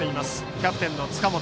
キャプテンの塚本。